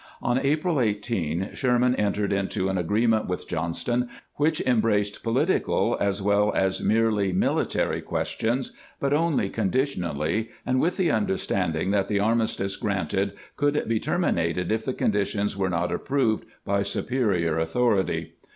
On April 18 Sherman entered into an agree ment with Johnston which embraced political as weU as merely military questions, but only conditionally, and with the understanding that the armistice granted could be terminated if the conditions were not approved by superior authority.